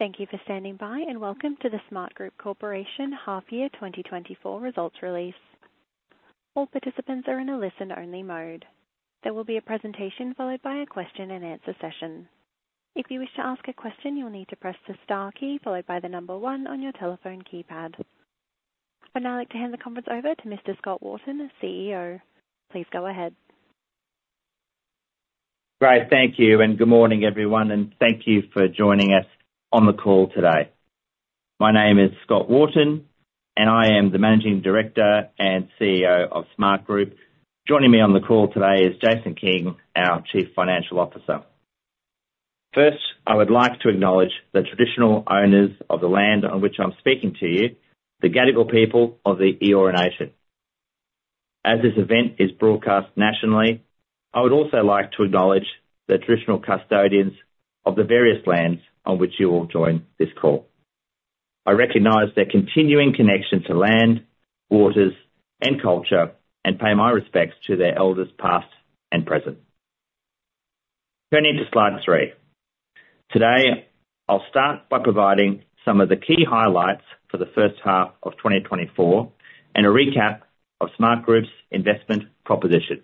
Thank you for standing by, and welcome to the Smartgroup Corporation Half Year 2024 Results Release. All participants are in a listen-only mode. There will be a presentation, followed by a question-and-answer session. If you wish to ask a question, you'll need to press the star key followed by the number one on your telephone keypad. I'd now like to hand the conference over to Mr. Scott Wharton, the CEO. Please go ahead. Great. Thank you, and good morning, everyone, and thank you for joining us on the call today. My name is Scott Wharton, and I am the Managing Director and CEO of Smartgroup. Joining me on the call today is Jason King, our Chief Financial Officer. First, I would like to acknowledge the traditional owners of the land on which I'm speaking to you, the Gadigal people of the Eora Nation. As this event is broadcast nationally, I would also like to acknowledge the traditional custodians of the various lands on which you all join this call. I recognize their continuing connection to land, waters, and culture, and pay my respects to their elders, past and present. Turning to slide three. Today, I'll start by providing some of the key highlights for the first half of 2024, and a recap of Smartgroup's investment proposition.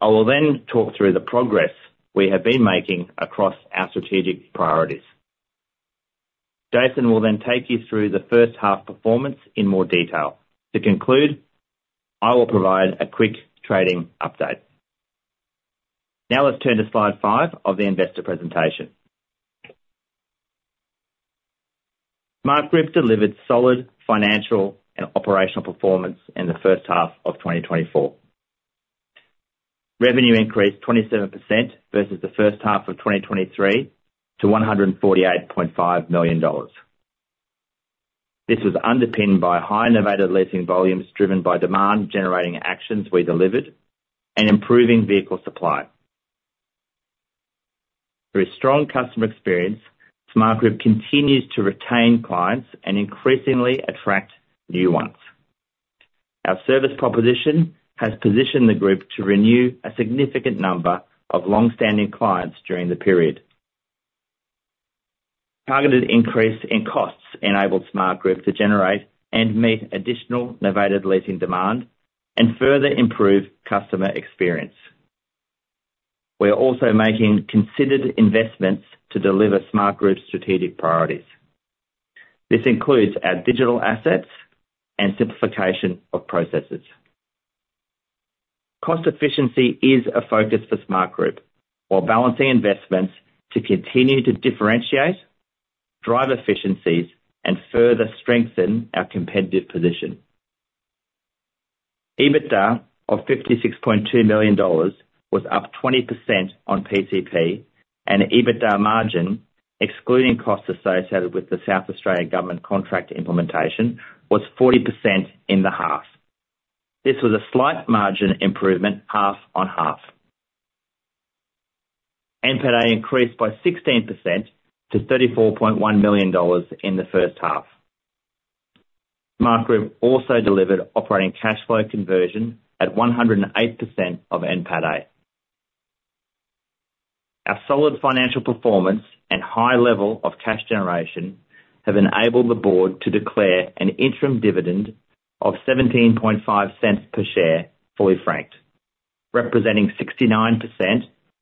I will then talk through the progress we have been making across our strategic priorities. Jason will then take you through the first half performance in more detail. To conclude, I will provide a quick trading update. Now, let's turn to slide five of the investor presentation. Smartgroup delivered solid financial and operational performance in the first half of 2024. Revenue increased 27% versus the first half of 2023 to 148.5 million dollars. This was underpinned by high novated leasing volumes, driven by demand-generating actions we delivered and improving vehicle supply. Through a strong customer experience, Smartgroup continues to retain clients and increasingly attract new ones. Our service proposition has positioned the group to renew a significant number of long-standing clients during the period. Targeted increase in costs enabled Smartgroup to generate and meet additional novated leasing demand and further improve customer experience. We are also making considered investments to deliver Smartgroup's strategic priorities. This includes our digital assets and simplification of processes. Cost efficiency is a focus for Smartgroup, while balancing investments to continue to differentiate, drive efficiencies, and further strengthen our competitive position. EBITDA of 56.2 million dollars was up 20% on PCP, and EBITDA margin, excluding costs associated with the South Australian Government contract implementation, was 40% in the half. This was a slight margin improvement, half on half. NPAT increased by 16% to 34.1 million dollars in the first half. Smartgroup also delivered operating cash flow conversion at 108% of NPAT. Our solid financial performance and high level of cash generation have enabled the board to declare an interim dividend of 0.175 per share, fully franked, representing 69%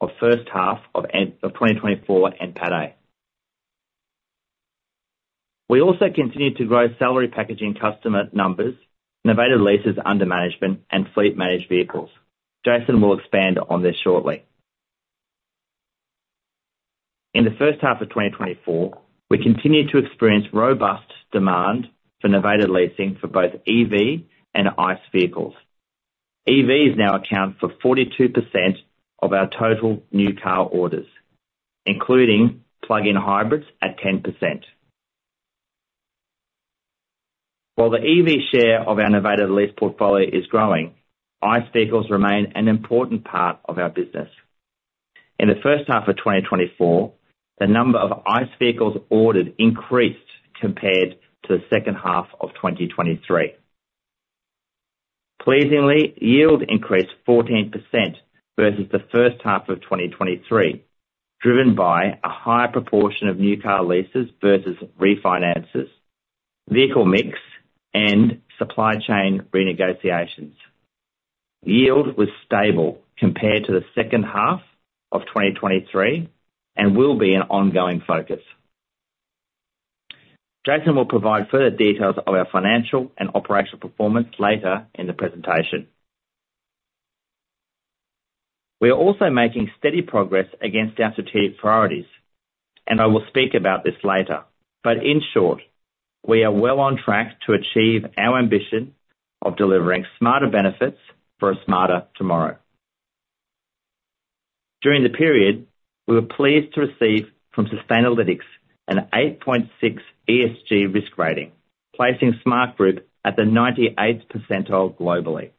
of first half 2024 NPAT. We also continued to grow salary packaging customer numbers, novated leases under management, and fleet managed vehicles. Jason will expand on this shortly. In the first half of 2024, we continued to experience robust demand for novated leasing for. EVs now account for 42% of our total new car orders, including plug-in hybrids at 10%. While the EV share of our novated lease portfolio is growing, ICE vehicles remain an important part of our business. In the first half of 2024, the number of ICE vehicles ordered increased compared to the second half of 2023. Pleasingly, yield increased 14% versus the first half of 2023, driven by a higher proportion of new car leases versus refinances, vehicle mix, and supply chain renegotiations. Yield was stable compared to the second half of 2023 and will be an ongoing focus. Jason will provide further details of our financial and operational performance later in the presentation. We are also making steady progress against our strategic priorities, and I will speak about this later. But in short, we are well on track to achieve our ambition of delivering smarter benefits for a smarter tomorrow. During the period, we were pleased to receive from Sustainalytics an 8.6 ESG risk rating, placing Smartgroup at the 98th percentile globally.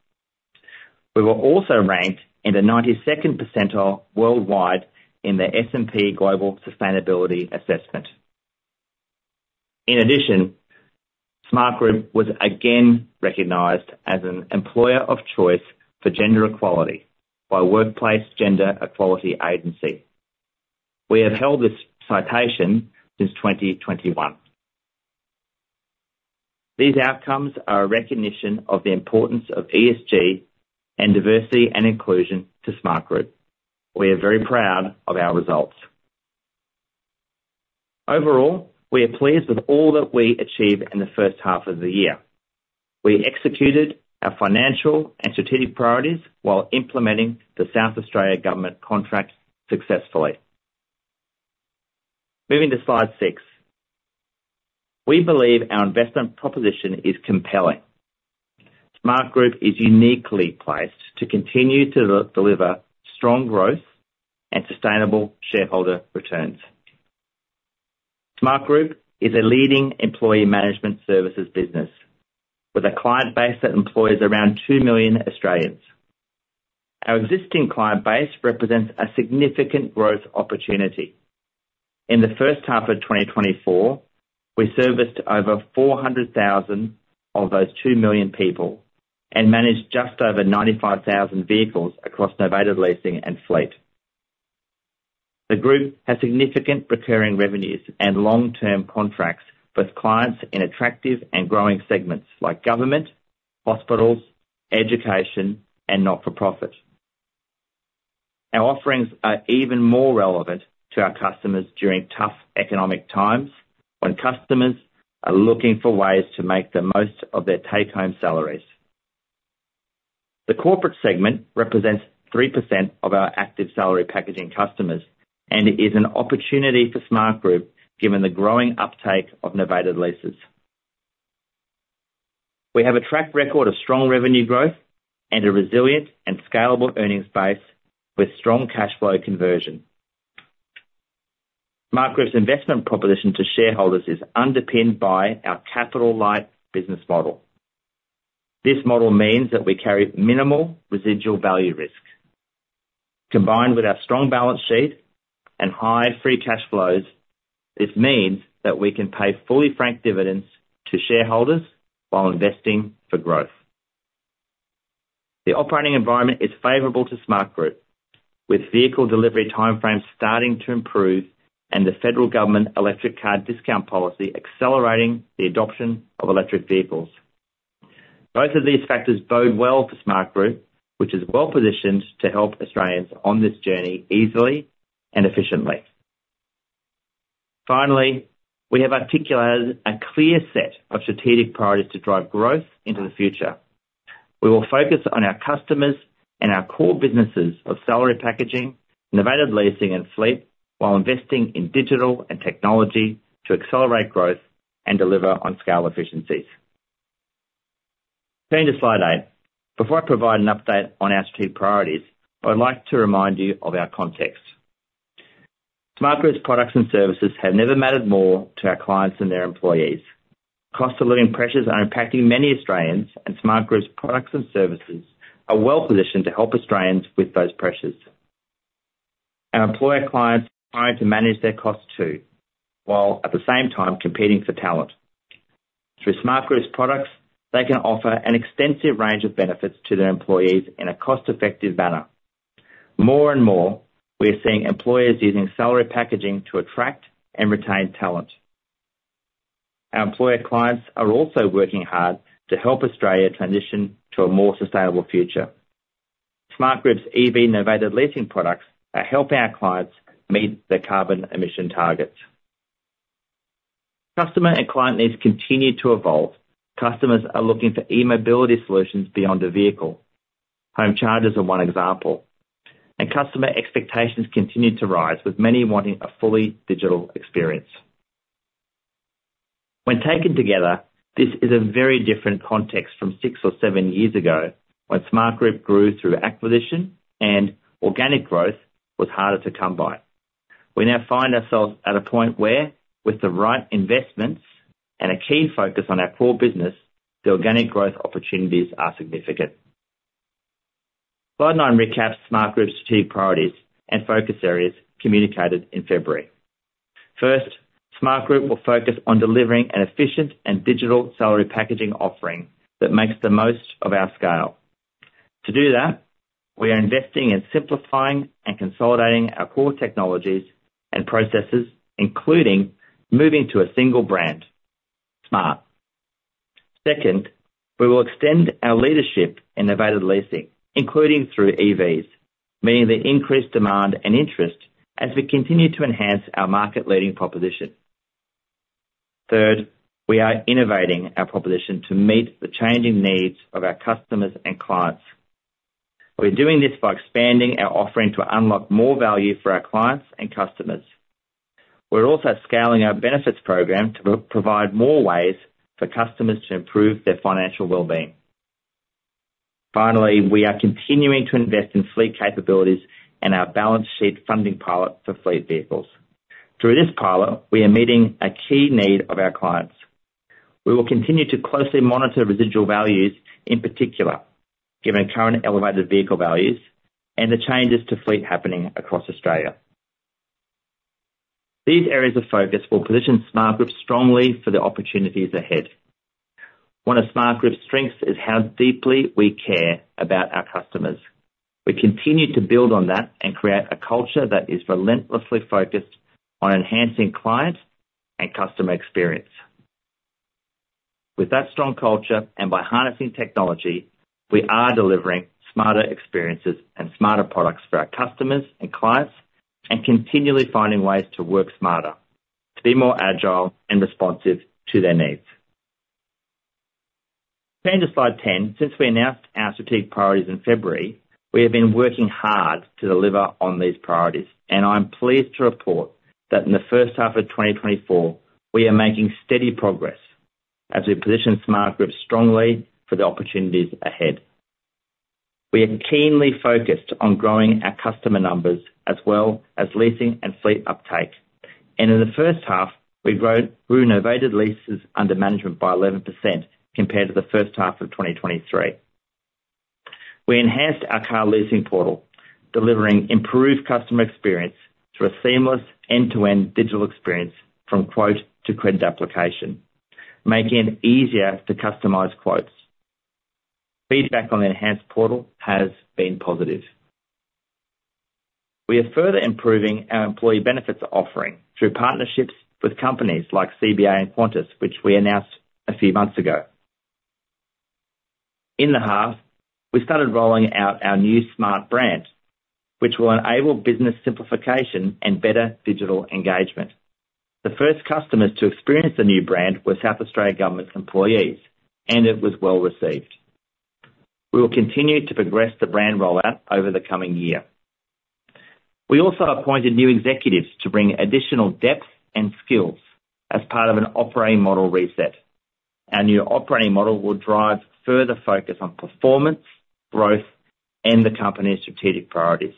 We were also ranked in the 92nd percentile worldwide in the S&P Global Sustainability Assessment. In addition, Smartgroup was again recognized as an employer of choice for gender equality by Workplace Gender Equality Agency. We have held this citation since 2021. These outcomes are a recognition of the importance of ESG and diversity and inclusion to Smartgroup. We are very proud of our results. Overall, we are pleased with all that we achieved in the first half of the year. We executed our financial and strategic priorities while implementing the South Australian Government contract successfully. Moving to slide six. We believe our investment proposition is compelling. Smartgroup is uniquely placed to continue to deliver strong growth and sustainable shareholder returns. Smartgroup is a leading employee management services business, with a client base that employs around 2 million Australians. Our existing client base represents a significant growth opportunity. In the first half of 2024, we serviced over 400,000 of those 2 million people, and managed just over 95,000 vehicles across novated leasing and fleet. The group has significant recurring revenues and long-term contracts with clients in attractive and growing segments like government, hospitals, education, and not-for-profit. Our offerings are even more relevant to our customers during tough economic times, when customers are looking for ways to make the most of their take-home salaries. The corporate segment represents 3% of our active salary packaging customers, and it is an opportunity for Smartgroup, given the growing uptake of novated leases. We have a track record of strong revenue growth and a resilient and scalable earnings base with strong cash flow conversion. Smartgroup's investment proposition to shareholders is underpinned by our capital light business model. This model means that we carry minimal residual value risk. Combined with our strong balance sheet and high free cash flows, this means that we can pay fully franked dividends to shareholders while investing for growth. The operating environment is favorable to Smartgroup, with vehicle delivery timeframes starting to improve and the federal government electric car discount policy accelerating the adoption of electric vehicles. Both of these factors bode well for Smartgroup, which is well positioned to help Australians on this journey easily and efficiently. Finally, we have articulated a clear set of strategic priorities to drive growth into the future. We will focus on our customers and our core businesses of salary packaging, novated leasing and fleet, while investing in digital and technology to accelerate growth and deliver on scale efficiencies. Turning to slide eight. Before I provide an update on our strategic priorities, I'd like to remind you of our context. Smartgroup's products and services have never mattered more to our clients and their employees. Cost of living pressures are impacting many Australians, and Smartgroup's products and services are well positioned to help Australians with those pressures. Our employer clients are trying to manage their costs, too, while at the same time competing for talent. Through Smartgroup's products, they can offer an extensive range of benefits to their employees in a cost-effective manner. More and more, we are seeing employers using salary packaging to attract and retain talent. Our employer clients are also working hard to help Australia transition to a more sustainable future. Smartgroup's EV novated leasing products are helping our clients meet their carbon emission targets. Customer and client needs continue to evolve. Customers are looking for e-mobility solutions beyond a vehicle. Home chargers are one example. Customer expectations continue to rise, with many wanting a fully digital experience. When taken together, this is a very different context from six or seven years ago, when Smartgroup grew through acquisition and organic growth was harder to come by. We now find ourselves at a point where, with the right investments and a key focus on our core business, the organic growth opportunities are significant. Slide nine recaps Smartgroup's strategic priorities and focus areas communicated in February. First, Smartgroup will focus on delivering an efficient and digital salary packaging offering that makes the most of our scale. To do that, we are investing in simplifying and consolidating our core technologies and processes, including moving to a single brand, Smart. Second, we will extend our leadership in novated leasing, including through EVs, meeting the increased demand and interest as we continue to enhance our market-leading proposition. Third, we are innovating our proposition to meet the changing needs of our customers and clients. We're doing this by expanding our offering to unlock more value for our clients and customers. We're also scaling our benefits program to provide more ways for customers to improve their financial well-being. Finally, we are continuing to invest in fleet capabilities and our balance sheet funding pilot for fleet vehicles. Through this pilot, we are meeting a key need of our clients. We will continue to closely monitor residual values, in particular, given current elevated vehicle values and the changes to fleet happening across Australia. These areas of focus will position Smartgroup strongly for the opportunities ahead. One of Smartgroup's strengths is how deeply we care about our customers. We continue to build on that and create a culture that is relentlessly focused on enhancing client and customer experience. With that strong culture, and by harnessing technology, we are delivering smarter experiences and smarter products for our customers and clients, and continually finding ways to work smarter, to be more agile and responsive to their needs. Turning to slide 10, since we announced our strategic priorities in February, we have been working hard to deliver on these priorities, and I'm pleased to report that in the first half of 2024, we are making steady progress as we position Smartgroup strongly for the opportunities ahead. We are keenly focused on growing our customer numbers, as well as leasing and fleet uptake. In the first half, we grew our novated leases under management by 11% compared to the first half of 2023. We enhanced our car leasing portal, delivering improved customer experience through a seamless end-to-end digital experience from quote to credit application, making it easier to customize quotes. Feedback on the enhanced portal has been positive. We are further improving our employee benefits offering through partnerships with companies like CBA and Qantas, which we announced a few months ago. In the half, we started rolling out our new Smart brand, which will enable business simplification and better digital engagement. The first customers to experience the new brand were South Australian Government employees, and it was well received. We will continue to progress the brand rollout over the coming year. We also appointed new executives to bring additional depth and skills as part of an operating model reset. Our new operating model will drive further focus on performance, growth, and the company's strategic priorities.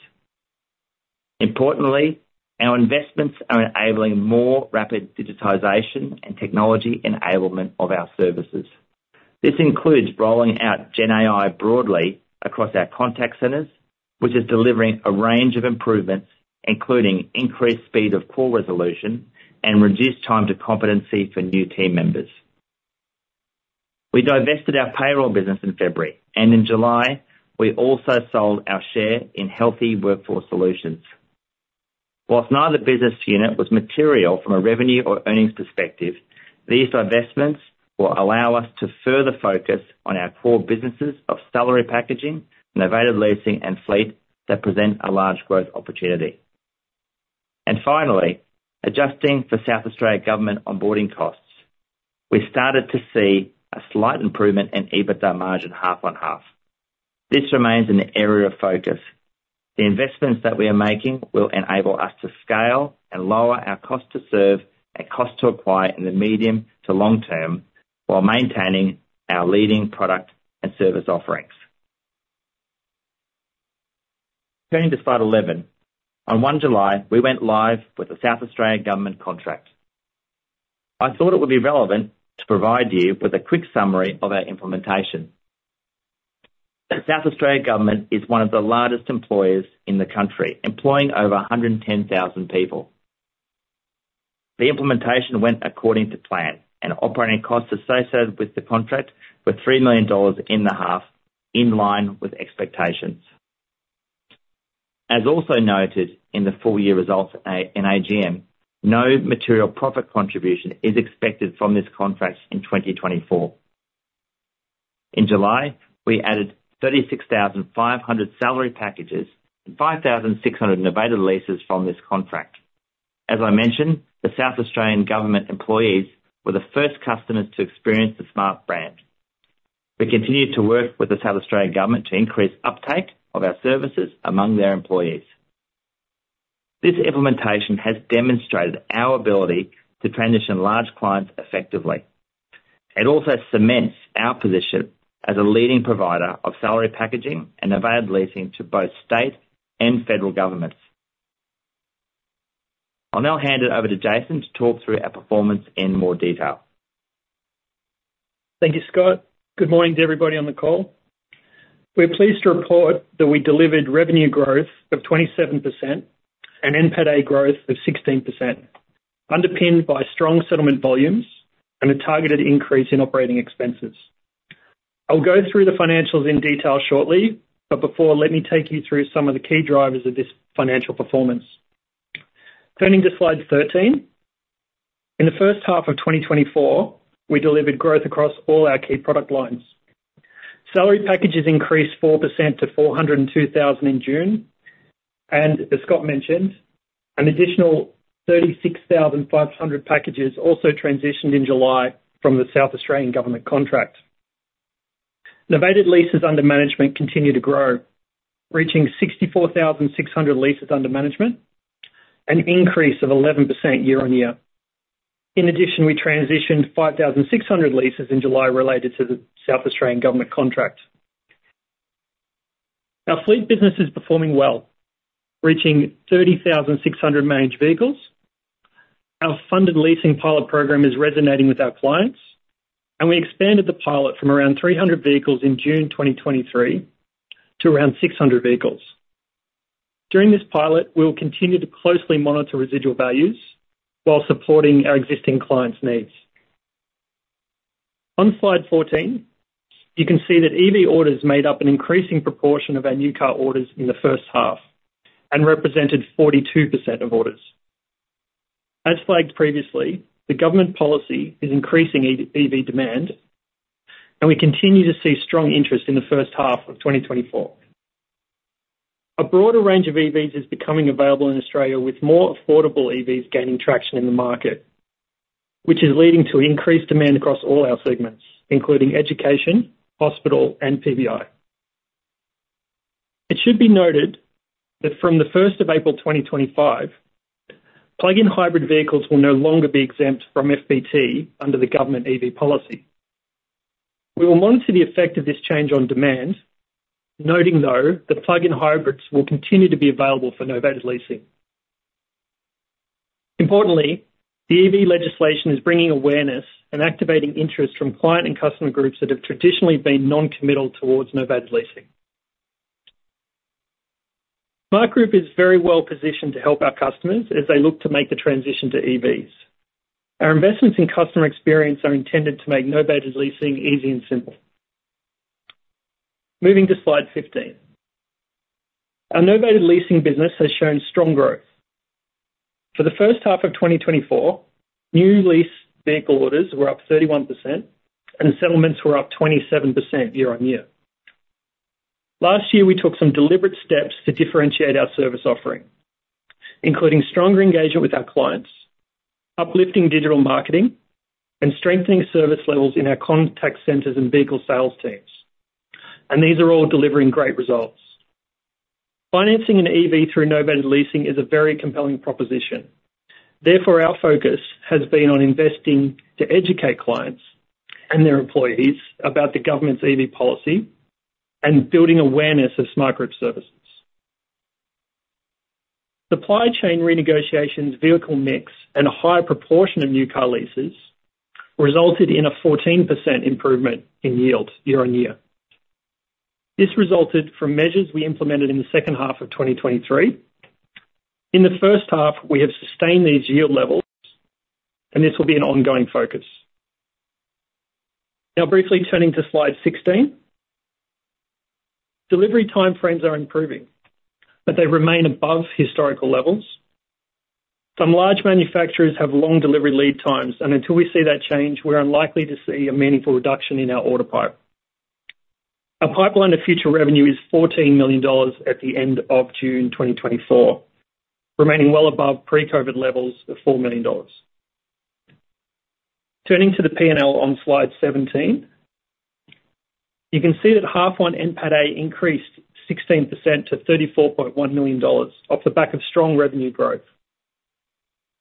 Importantly, our investments are enabling more rapid digitization and technology enablement of our services. This includes rolling out GenAI broadly across our contact centers, which is delivering a range of improvements, including increased speed of call resolution and reduced time to competency for new team members. We divested our payroll business in February, and in July, we also sold our share in Health-e Workforce Solutions. While neither business unit was material from a revenue or earnings perspective, these divestments will allow us to further focus on our core businesses of salary packaging, novated leasing, and fleet that present a large growth opportunity. And finally, adjusting for South Australian Government onboarding costs, we started to see a slight improvement in EBITDA margin half-on-half. This remains an area of focus. The investments that we are making will enable us to scale and lower our cost to serve and cost to acquire in the medium to long term, while maintaining our leading product and service offerings. Turning to slide 11. On July 1, we went live with the South Australian Government contract. I thought it would be relevant to provide you with a quick summary of our implementation. The South Australian Government is one of the largest employers in the country, employing over 110,000 people. The implementation went according to plan, and operating costs associated with the contract were 3 million dollars in the half, in line with expectations. As also noted in the full year results, in AGM, no material profit contribution is expected from this contract in 2024. In July, we added 36,500 salary packages and 5,600 novated leases from this contract. As I mentioned, the South Australian Government employees were the first customers to experience the Smart brand. We continue to work with the South Australian Government to increase uptake of our services among their employees. This implementation has demonstrated our ability to transition large clients effectively. It also cements our position as a leading provider of salary packaging and novated leasing to both state and federal governments. I'll now hand it over to Jason to talk through our performance in more detail. Thank you, Scott. Good morning to everybody on the call. We're pleased to report that we delivered revenue growth of 27% and NPAT-A growth of 16%, underpinned by strong settlement volumes and a targeted increase in operating expenses. I'll go through the financials in detail shortly, but before, let me take you through some of the key drivers of this financial performance. Turning to slide 13. In the first half of 2024, we delivered growth across all our key product lines. Salary packages increased 4% to 402,000 in June, and as Scott mentioned, an additional 36,500 packages also transitioned in July from the South Australian Government contract. Novated leases under management continue to grow, reaching 64,600 leases under management, an increase of 11% year-on-year. In addition, we transitioned 5,600 leases in July related to the South Australian Government contract. Our fleet business is performing well, reaching 37,600 managed vehicles. Our funded leasing pilot program is resonating with our clients, and we expanded the pilot from around 300 vehicles in June 2023 to around 600 vehicles. During this pilot, we'll continue to closely monitor residual values while supporting our existing clients' needs. On Slide 14, you can see that EV orders made up an increasing proportion of our new car orders in the first half and represented 42% of orders. As flagged previously, the government policy is increasing EV demand, and we continue to see strong interest in the first half of 2024. A broader range of EVs is becoming available in Australia, with more affordable EVs gaining traction in the market, which is leading to increased demand across all our segments, including education, hospital, and PBI. It should be noted that from the April 1st, 2025, plug-in hybrid vehicles will no longer be exempt from FBT under the government EV policy. We will monitor the effect of this change on demand, noting, though, that plug-in hybrids will continue to be available for novated leasing. Importantly, the EV legislation is bringing awareness and activating interest from client and customer groups that have traditionally been non-committal towards novated leasing. Smartgroup is very well positioned to help our customers as they look to make the transition to EVs. Our investments in customer experience are intended to make novated leasing easy and simple. Moving to Slide 15. Our novated leasing business has shown strong growth. For the first half of 2024, new lease vehicle orders were up 31%, and settlements were up 27% year-on-year. Last year, we took some deliberate steps to differentiate our service offering, including stronger engagement with our clients, uplifting digital marketing, and strengthening service levels in our contact centers and vehicle sales teams, and these are all delivering great results. Financing an EV through novated leasing is a very compelling proposition. Therefore, our focus has been on investing to educate clients and their employees about the government's EV policy and building awareness of Smartgroup services. Supply chain renegotiations, vehicle mix, and a higher proportion of new car leases resulted in a 14% improvement in yields year-on-year. This resulted from measures we implemented in the second half of 2023. In the first half, we have sustained these yield levels, and this will be an ongoing focus. Now, briefly turning to Slide 16. Delivery timeframes are improving, but they remain above historical levels. Some large manufacturers have long delivery lead times, and until we see that change, we're unlikely to see a meaningful reduction in our order pipe. Our pipeline of future revenue is 14 million dollars at the end of June 2024, remaining well above pre-COVID levels of 4 million dollars. Turning to the P&L on Slide 17, you can see that half one NPAT-A increased 16% to 34.1 million dollars off the back of strong revenue growth.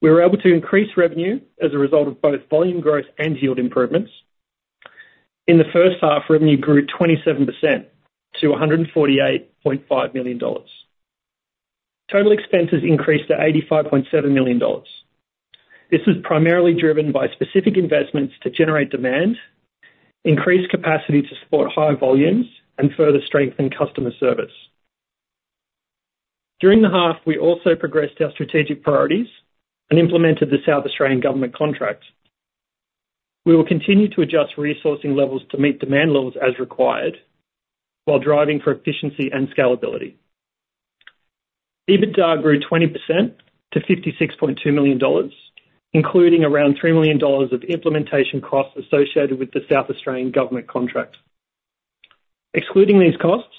We were able to increase revenue as a result of both volume growth and yield improvements. In the first half, revenue grew 27% to 148.5 million dollars. Total expenses increased to 85.7 million dollars. This is primarily driven by specific investments to generate demand, increase capacity to support higher volumes, and further strengthen customer service. During the half, we also progressed our strategic priorities and implemented the South Australian Government contract. We will continue to adjust resourcing levels to meet demand levels as required, while driving for efficiency and scalability. EBITDA grew 20% to 56.2 million dollars, including around 3 million dollars of implementation costs associated with the South Australian Government contract. Excluding these costs,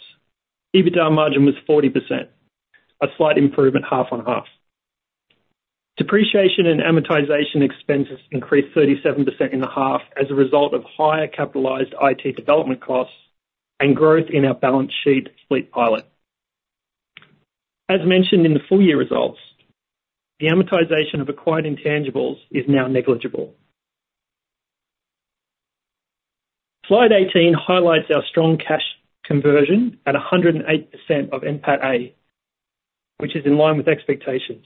EBITDA margin was 40%, a slight improvement half-on-half. Depreciation and amortization expenses increased 37% in the half as a result of higher capitalized IT development costs and growth in our balance sheet fleet pilot. As mentioned in the full year results, the amortization of acquired intangibles is now negligible. Slide 18 highlights our strong cash conversion at 108% of NPAT-A, which is in line with expectations.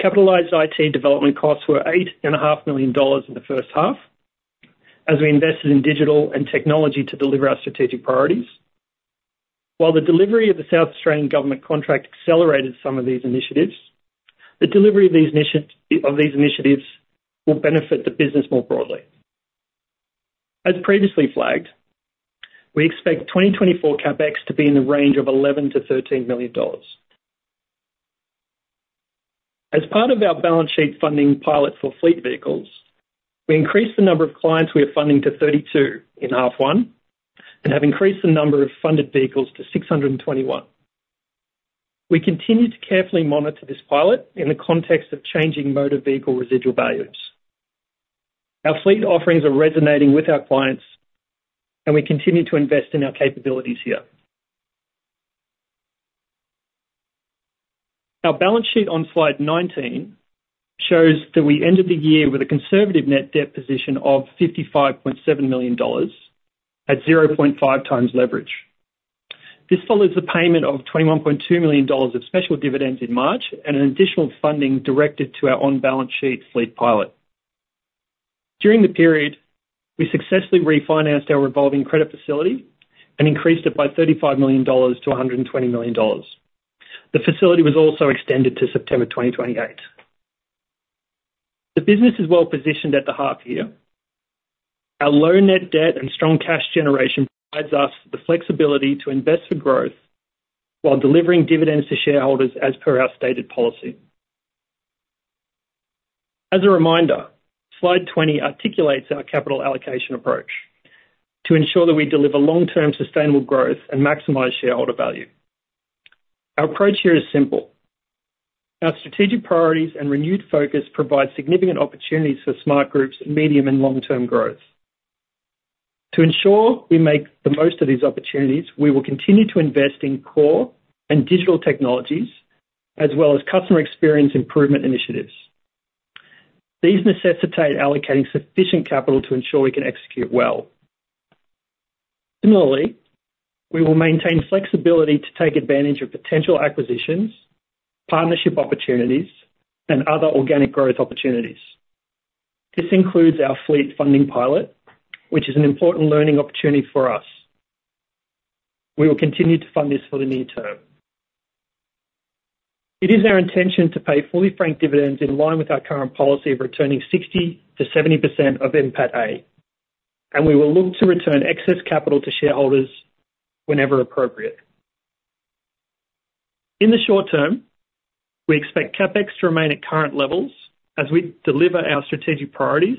Capitalized IT development costs were 8.5 million dollars in the first half, as we invested in digital and technology to deliver our strategic priorities. While the delivery of the South Australian Government contract accelerated some of these initiatives, the delivery of these initiatives will benefit the business more broadly. As previously flagged, we expect 2024 CapEx to be in the range of 11 million-13 million dollars. As part of our balance sheet funding pilot for fleet vehicles, we increased the number of clients we are funding to 32 in half one, and have increased the number of funded vehicles to 621. We continue to carefully monitor this pilot in the context of changing motor vehicle residual values. Our fleet offerings are resonating with our clients, and we continue to invest in our capabilities here. Our balance sheet on slide 19 shows that we ended the year with a conservative net debt position of 55.7 million dollars at 0.5 times leverage. This follows the payment of 21.2 million dollars of special dividends in March, and an additional funding directed to our on-balance sheet fleet pilot. During the period, we successfully refinanced our revolving credit facility and increased it by 35 million dollars to 120 million dollars. The facility was also extended to September 2028. The business is well positioned at the half year. Our low net debt and strong cash generation provides us the flexibility to invest for growth, while delivering dividends to shareholders as per our stated policy. As a reminder, slide twenty articulates our capital allocation approach to ensure that we deliver long-term sustainable growth and maximize shareholder value. Our approach here is simple: Our strategic priorities and renewed focus provide significant opportunities for Smartgroup's medium and long-term growth. To ensure we make the most of these opportunities, we will continue to invest in core and digital technologies, as well as customer experience improvement initiatives. These necessitate allocating sufficient capital to ensure we can execute well. Similarly, we will maintain flexibility to take advantage of potential acquisitions, partnership opportunities, and other organic growth opportunities. This includes our fleet funding pilot, which is an important learning opportunity for us. We will continue to fund this for the near term. It is our intention to pay fully franked dividends in line with our current policy of returning 60%-70% of NPAT-A, and we will look to return excess capital to shareholders whenever appropriate. In the short term, we expect CapEx to remain at current levels as we deliver our strategic priorities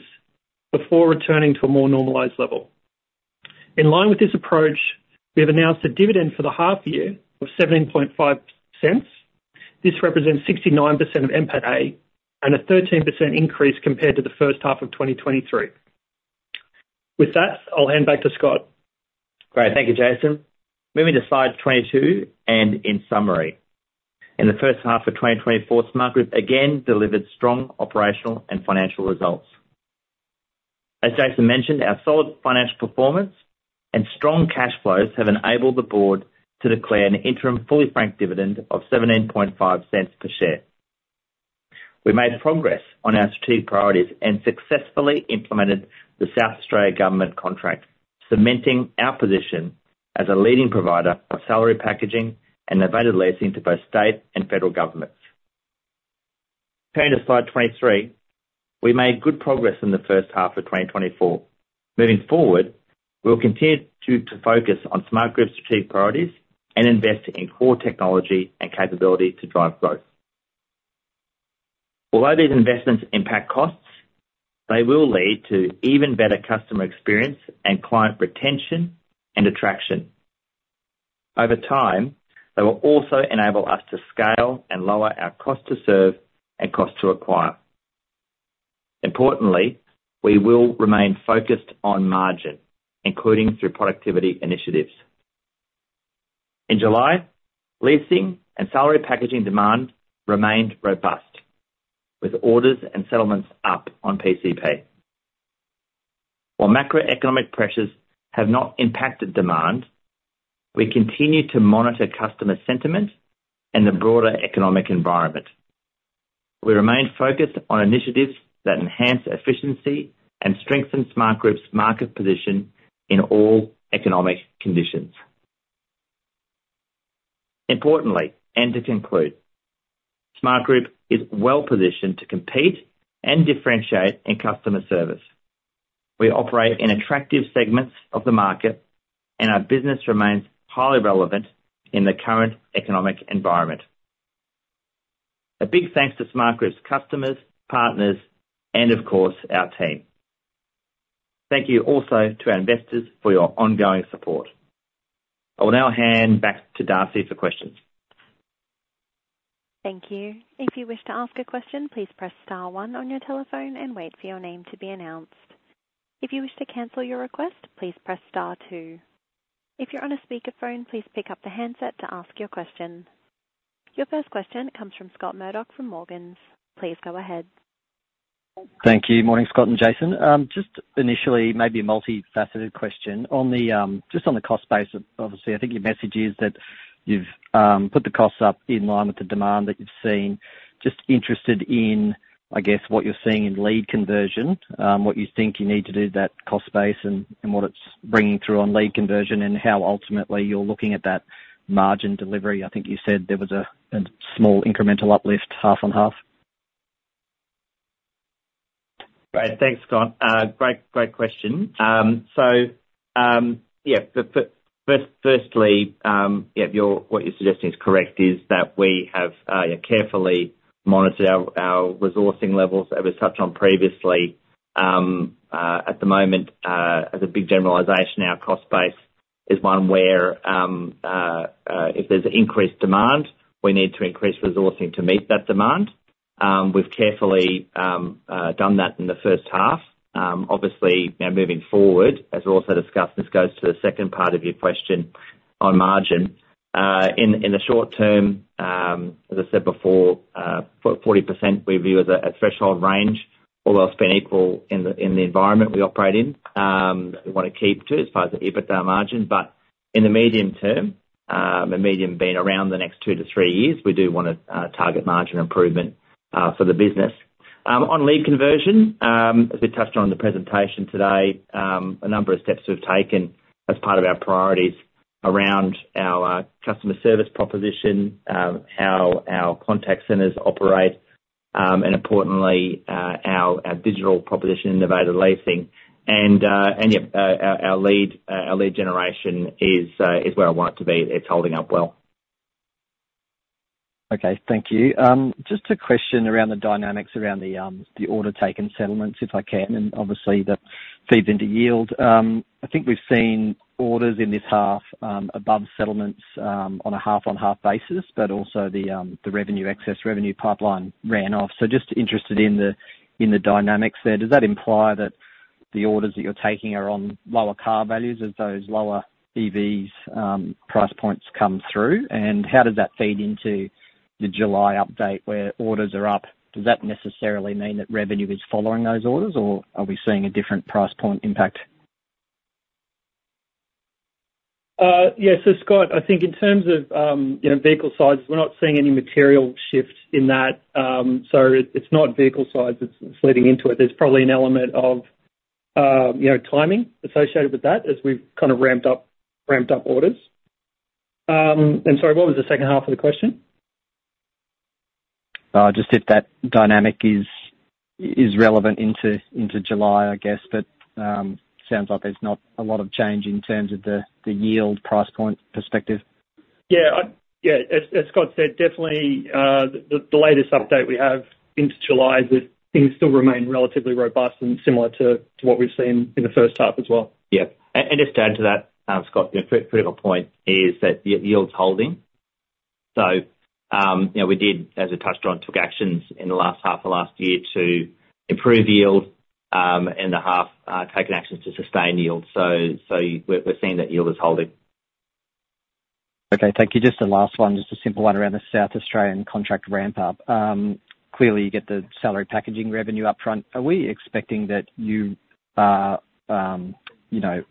before returning to a more normalized level. In line with this approach, we have announced a dividend for the half year of 0.175. This represents 69% of NPAT-A, and a 13% increase compared to the first half of 2023. With that, I'll hand back to Scott. Great. Thank you, Jason. Moving to slide 22 and in summary. In the first half of 2024, Smartgroup again delivered strong operational and financial results. As Jason mentioned, our solid financial performance and strong cash flows have enabled the board to declare an interim fully franked dividend of 0.175 per share. We made progress on our strategic priorities and successfully implemented the South Australian Government contract, cementing our position as a leading provider of salary packaging and novated leasing to both state and federal governments. Turning to slide 23, we made good progress in the first half of 2024. Moving forward, we'll continue to focus on Smartgroup's chief priorities and invest in core technology and capability to drive growth. Although these investments impact costs, they will lead to even better customer experience and client retention and attraction. Over time, they will also enable us to scale and lower our cost to serve and cost to acquire. Importantly, we will remain focused on margin, including through productivity initiatives. In July, leasing and salary packaging demand remained robust, with orders and settlements up on PCP. While macroeconomic pressures have not impacted demand, we continue to monitor customer sentiment and the broader economic environment. We remain focused on initiatives that enhance efficiency and strengthen Smartgroup's market position in all economic conditions. Importantly, and to conclude, Smartgroup is well positioned to compete and differentiate in customer service. We operate in attractive segments of the market, and our business remains highly relevant in the current economic environment. A big thanks to Smartgroup's customers, partners, and of course, our team. Thank you also to our investors for your ongoing support. I will now hand back to Darcy for questions. Thank you. If you wish to ask a question, please press star one on your telephone and wait for your name to be announced. If you wish to cancel your request, please press star two. If you're on a speakerphone, please pick up the handset to ask your question. Your first question comes from Scott Murdoch, from Morgans. Please go ahead. Thank you. Morning, Scott and Jason. Just initially, maybe a multifaceted question. On the just on the cost base, obviously, I think your message is that you've put the costs up in line with the demand that you've seen. Just interested in, I guess, what you're seeing in lead conversion, what you think you need to do to that cost base and what it's bringing through on lead conversion, and how ultimately you're looking at that margin delivery. I think you said there was a small incremental uplift, half on half. Great. Thanks, Scott. Great, great question. So, yeah, firstly, yeah, what you're suggesting is correct, that we have carefully monitored our resourcing levels as we touched on previously. At the moment, as a big generalization, our cost base is one where if there's increased demand, we need to increase resourcing to meet that demand. We've carefully done that in the first half. Obviously, now moving forward, as we also discussed, this goes to the second part of your question on margin. In the short term, as I said before, 40% we view as a threshold range, all else being equal in the environment we operate in. We wanna keep to as far as the EBITDA margin. But in the medium term, the medium being around the next two to three years, we do wanna target margin improvement for the business. On lead conversion, as we touched on in the presentation today, a number of steps we've taken as part of our priorities around our customer service proposition, how our contact centers operate, and importantly, our digital proposition, novated leasing. And, and, yep, our lead generation is where I want it to be. It's holding up well. Okay, thank you. Just a question around the dynamics around the order taken settlements, if I can, and obviously that feeds into yield. I think we've seen orders in this half above settlements on a half-on-half basis, but also the revenue, excess revenue pipeline ran off. So just interested in the dynamics there. Does that imply that the orders that you're taking are on lower car values as those lower EVs price points come through? And how does that feed into the July update, where orders are up, does that necessarily mean that revenue is following those orders, or are we seeing a different price point impact? Yeah, so Scott, I think in terms of, you know, vehicle size, we're not seeing any material shift in that. So it, it's not vehicle size that's leading into it. There's probably an element of, you know, timing associated with that, as we've kind of ramped up orders. And sorry, what was the second half of the question? Just if that dynamic is relevant into July, I guess, but sounds like there's not a lot of change in terms of the yield price point perspective. Yeah, yeah, as Scott said, definitely, the latest update we have into July is that things still remain relatively robust and similar to what we've seen in the first half as well. Yeah. And just to add to that, Scott, you know, critical point is that the yield's holding. So, you know, we did, as we touched on, took actions in the last half of last year to improve yield, in the half, taken actions to sustain yield. So we're seeing that yield is holding. Okay, thank you. Just the last one, just a simple one around the South Australian contract ramp-up. Clearly, you get the salary packaging revenue up front. Are we expecting that you are, you know,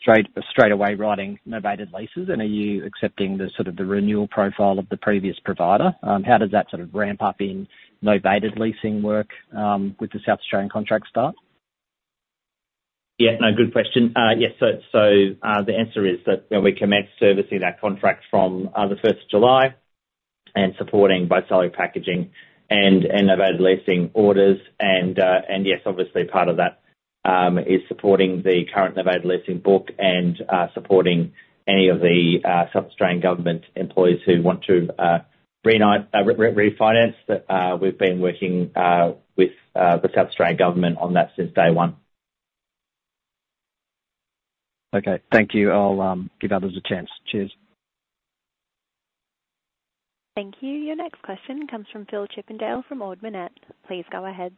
straight away writing novated leases, and are you accepting the sort of the renewal profile of the previous provider? How does that sort of ramp up in novated leasing work, with the South Australian contract start? Yeah, no, good question. Yes, so, the answer is that, you know, we commenced servicing that contract from July 1, and supporting both salary packaging and novated leasing orders. And yes, obviously, part of that is supporting the current novated leasing book and supporting any of the South Australian government employees who want to refinance that. We've been working with the South Australian government on that since day one. Okay, thank you. I'll give others a chance. Cheers. Thank you. Your next question comes from Phil Chippendale from Ord Minnett. Please go ahead.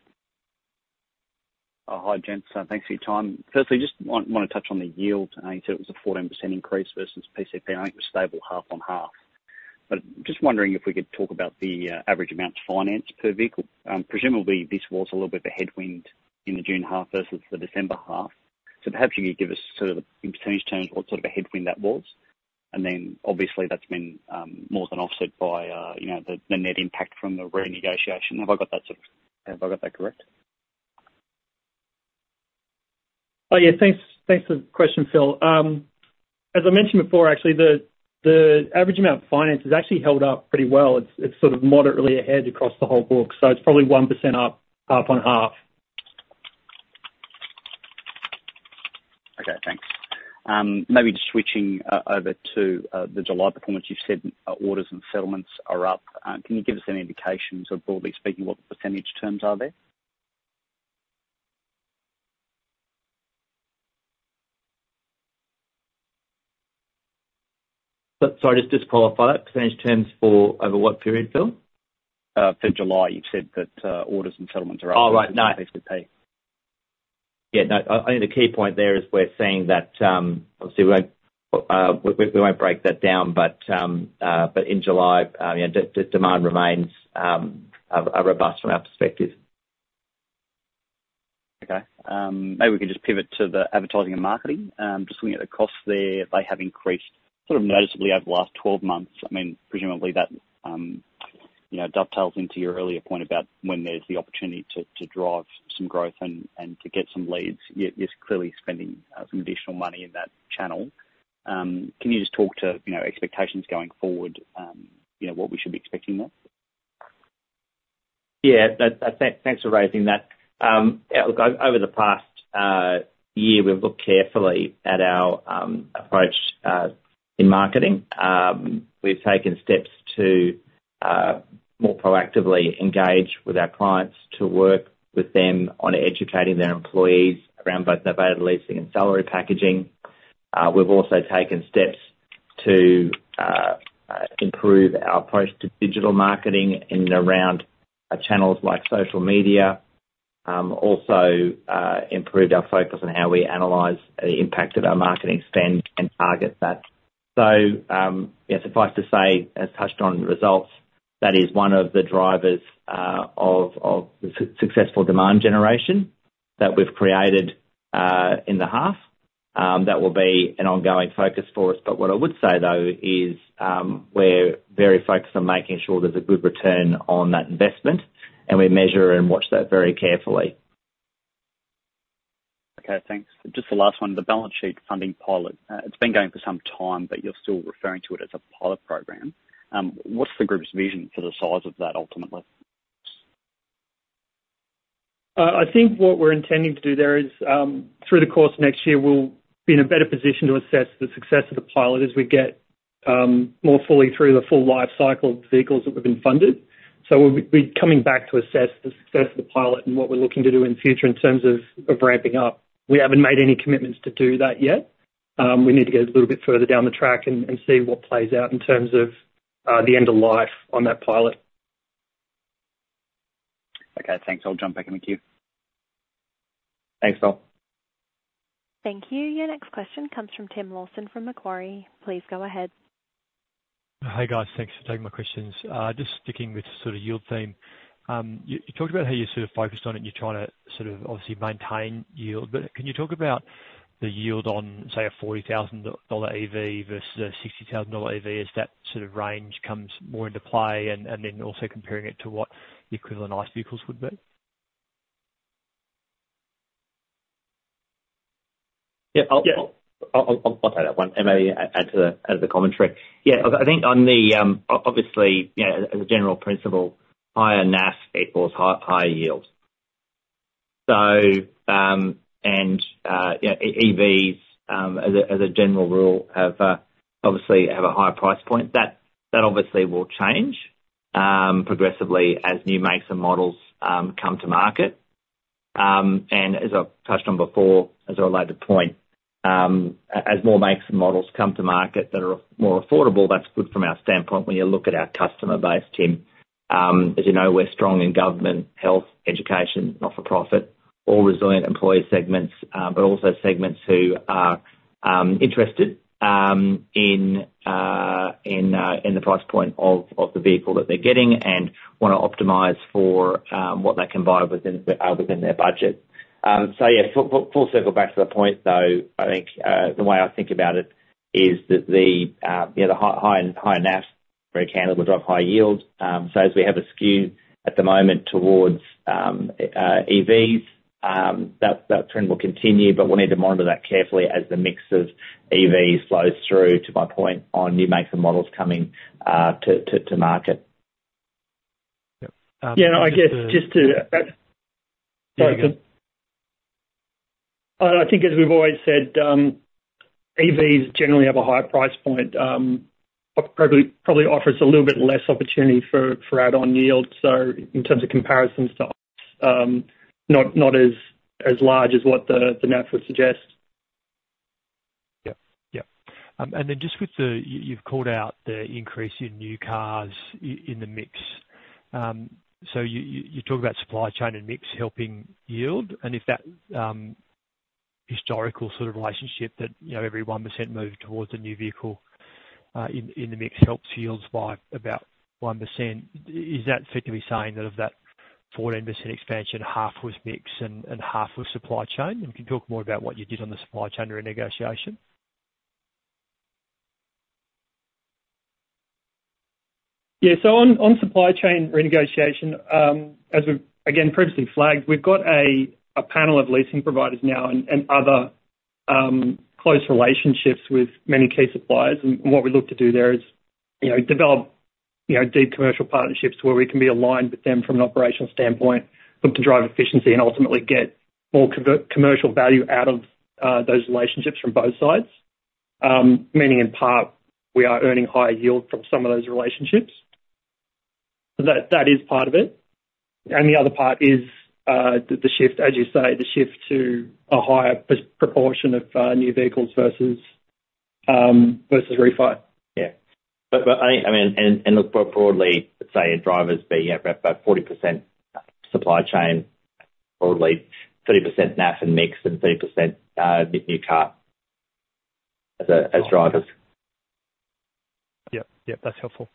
Hi, gents, thanks for your time. Firstly, just wanna touch on the yield. I think it was a 14% increase versus PCP. I think it was stable half-on-half. But just wondering if we could talk about the average amount financed per vehicle. Presumably, this was a little bit of a headwind in the June half versus the December half. So perhaps you could give us sort of the percentage terms, what sort of a headwind that was? And then obviously that's been more than offset by, you know, the net impact from the renegotiation. Have I got that sort of... Have I got that correct? Oh, yeah. Thanks, thanks for the question, Phil. As I mentioned before, actually, the average amount of finance has actually held up pretty well. It's sort of moderately ahead across the whole book, so it's probably 1% up, half-on-half. Okay, thanks. Maybe just switching over to the July performance. You've said orders and settlements are up. Can you give us any indications of, broadly speaking, what the percentage terms are there? Sorry, just to qualify that, percentage terms for over what period, Phil? For July, you've said that orders and settlements are up- Oh, right. No. -PCP. Yeah, no, I think the key point there is we're seeing that, obviously we won't break that down. But in July, you know, the demand remains robust from our perspective. Okay. Maybe we can just pivot to the advertising and marketing. Just looking at the costs there, they have increased sort of noticeably over the last 12 months. I mean, presumably that, you know, dovetails into your earlier point about when there's the opportunity to drive some growth and to get some leads. You're clearly spending some additional money in that channel. Can you just talk to, you know, expectations going forward, you know, what we should be expecting there? Yeah, that, thanks, thanks for raising that. Yeah, look, over the past year, we've looked carefully at our approach in marketing. We've taken steps to more proactively engage with our clients, to work with them on educating their employees around both novated leasing and salary packaging. We've also taken steps to improve our approach to digital marketing in and around channels like social media. Also, improved our focus on how we analyze the impact of our marketing spend and target that. So, yeah, suffice to say, as touched on the results, that is one of the drivers of successful demand generation that we've created in the half. That will be an ongoing focus for us, but what I would say, though, is we're very focused on making sure there's a good return on that investment, and we measure and watch that very carefully. Okay, thanks. Just the last one, the balance sheet funding pilot. It's been going for some time, but you're still referring to it as a pilot program. What's the group's vision for the size of that ultimately? I think what we're intending to do there is, through the course of next year, we'll be in a better position to assess the success of the pilot as we get more fully through the full life cycle of the vehicles that have been funded, so we'll be coming back to assess the success of the pilot and what we're looking to do in the future in terms of ramping up. We haven't made any commitments to do that yet. We need to get a little bit further down the track and see what plays out in terms of the end of life on that pilot. Okay, thanks. I'll jump back in the queue. Thanks, Paul. Thank you. Your next question comes from Tim Lawson, from Macquarie. Please go ahead. Hi, guys. Thanks for taking my questions. Just sticking with the sort of yield theme, you talked about how you're sort of focused on it, and you're trying to sort of obviously maintain yield. But can you talk about the yield on, say, a 40,000 dollar EV versus a 60,000 dollar EV, as that sort of range comes more into play, and then also comparing it to what the equivalent ICE vehicles would be? Yeah, I'll- Yeah. I'll take that one, and maybe add to the commentary. Yeah, I think on the obviously, you know, as a general principle, higher NAF equals higher yields. So, and yeah, EVs, as a general rule, have obviously a higher price point. That obviously will change progressively as new makes and models come to market. And as I've touched on before, as I related to point, as more makes and models come to market that are more affordable, that's good from our standpoint when you look at our customer base, Tim. As you know, we're strong in government, health, education, not-for-profit, all resilient employee segments, but also segments who are interested in the price point of the vehicle that they're getting, and wanna optimize for what they can buy within their budget. So yeah, full circle back to the point, though, I think the way I think about it is that you know, the high NAF vehicles will drive high yield. So as we have a skew at the moment towards EVs, that trend will continue, but we'll need to monitor that carefully as the mix of EV flows through, to my point, on new makes and models coming to market. Yep, um- Yeah, I guess just to- Yeah. I think as we've always said, EVs generally have a higher price point, probably offers a little bit less opportunity for add-on yield. So in terms of comparisons to not as large as what the NAF would suggest. Yep. Yep, and then just with the... You've called out the increase in new cars in the mix. So you talk about supply chain and mix helping yield, and if that historical sort of relationship that, you know, every 1% move towards a new vehicle in the mix helps yields by about 1%, is that fair to be saying that of that 14% expansion, half was mix and half was supply chain? And can you talk more about what you did on the supply chain renegotiation? Yeah, so on supply chain renegotiation, as we've again previously flagged, we've got a panel of leasing providers now and other close relationships with many key suppliers. What we look to do there is, you know, develop, you know, deep commercial partnerships where we can be aligned with them from an operational standpoint. Look to drive efficiency, and ultimately get more commercial value out of those relationships from both sides. Meaning, in part, we are earning higher yield from some of those relationships. So that is part of it. The other part is the shift, as you say, the shift to a higher proportion of new vehicles versus refi. Yeah. But I mean, and look, but broadly, let's say drivers be at about 40% supply chain, broadly 30% NAF and mix, and 30% new car, as a- Okay. As drivers. Yep, yep, that's helpful.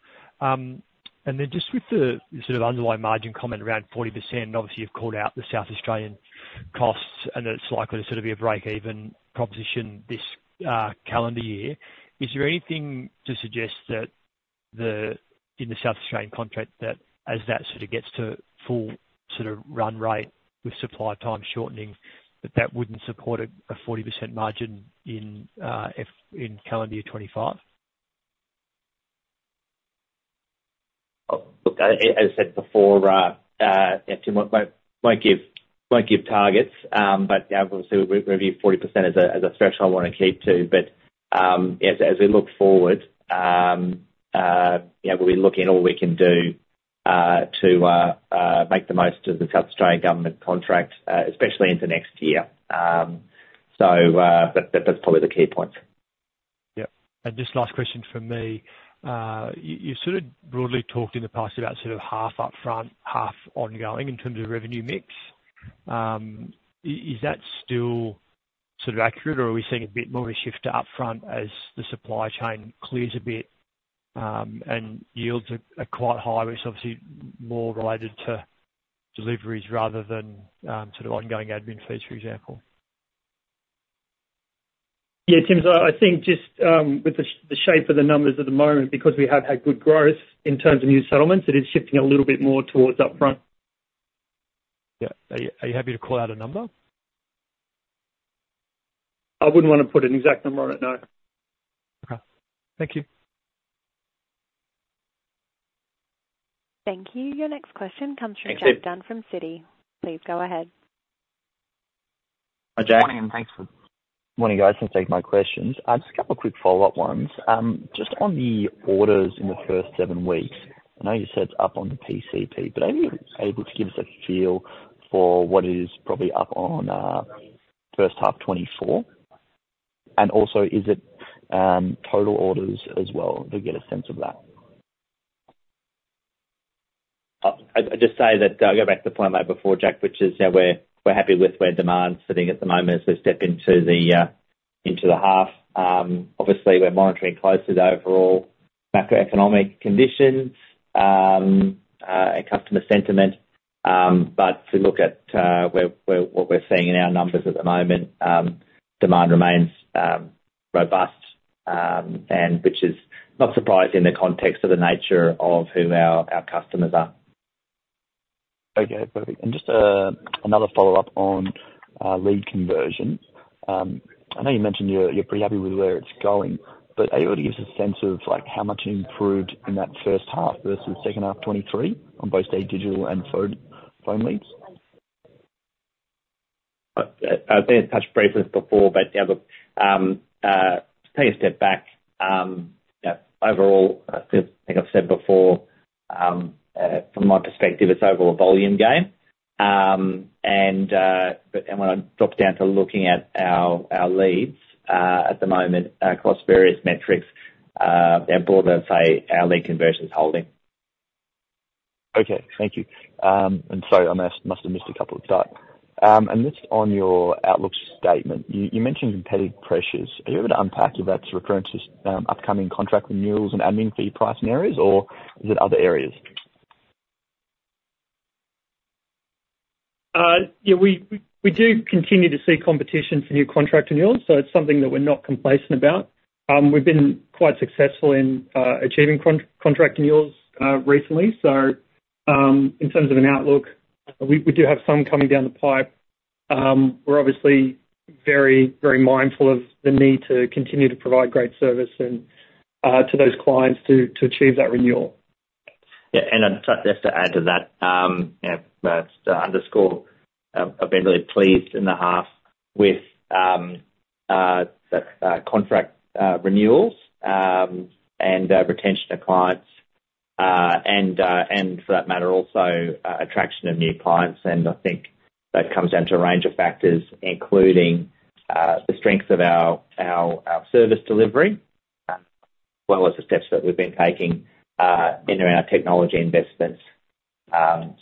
And then just with the sort of underlying margin comment, around 40%, obviously, you've called out the South Australian costs, and it's likely to sort of be a break-even proposition this calendar year. Is there anything to suggest that in the South Australian contract, that as that sort of gets to full sort of run rate with supply time shortening, that that wouldn't support a 40% margin in calendar year 2025? Oh, look, as I said before, yeah, Tim, won't give targets, but yeah, obviously we review 40% as a threshold we wanna keep to. But, as we look forward, yeah, we'll be looking at all we can do to make the most of the South Australian Government contract, especially into next year. So, but that, that's probably the key points. Yep, and just last question from me. You sort of broadly talked in the past about sort of half upfront, half ongoing, in terms of revenue mix. Is that still sort of accurate, or are we seeing a bit more of a shift to upfront as the supply chain clears a bit, and yields are quite high, which obviously more related to deliveries rather than sort of ongoing admin fees, for example? Yeah, Tim, so I think just, with the shape of the numbers at the moment, because we have had good growth in terms of new settlements, it is shifting a little bit more towards upfront. Yeah. Are you, are you happy to call out a number? I wouldn't wanna put an exact number on it, no. Okay. Thank you. Thank you. Your next question comes from- Thanks... Jack Dunn from Citi. Please go ahead. Hi, Jack. Morning, guys, thanks for taking my questions. Just a couple of quick follow-up ones. Just on the orders in the first seven weeks, I know you said it's up on the PCP, but are you able to give us a feel for what is probably up on first half 2024? And also, is it total orders as well, to get a sense of that? I'd just say that, I go back to the point I made before, Jack, which is that we're happy with where demand's sitting at the moment as we step into the half. Obviously, we're monitoring closely the overall macroeconomic conditions and customer sentiment. But if you look at what we're seeing in our numbers at the moment, demand remains robust, and which is not surprising in the context of the nature of who our customers are. Okay, perfect. And just, another follow-up on, lead conversion. I know you mentioned you're pretty happy with where it's going, but are you able to give us a sense of, like, how much you improved in that first half versus second half 2023, on both digital and phone leads? I think I touched briefly before, but yeah, look, take a step back, yeah, overall, think I've said before, from my perspective, it's overall a volume game. And when I drop down to looking at our leads, at the moment, across various metrics, and broader, say, our lead conversion is holding. Okay, thank you. And sorry, I must have missed a couple of slides. And just on your outlook statement, you mentioned competitive pressures. Are you able to unpack if that's referring to upcoming contract renewals and admin fee pricing areas, or is it other areas? Yeah, we do continue to see competition for new contract renewals, so it's something that we're not complacent about. We've been quite successful in achieving contract renewals recently. So, in terms of an outlook, we do have some coming down the pipe. We're obviously very, very mindful of the need to continue to provide great service and to those clients to achieve that renewal. Yeah, and I'd just to add to that, you know, just to underscore, I've been really pleased in the half with the contract renewals, and for that matter, also attraction of new clients, and I think that comes down to a range of factors, including the strengths of our service delivery, as well as the steps that we've been taking in our technology investments,